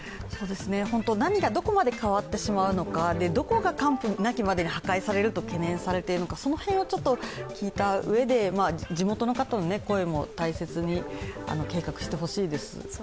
何がどこまで変わってしまうのか、どこが完膚なきまでに破壊されると懸念されているのかその辺を聞いた上で地元の方の声も大切に計画してほしいです。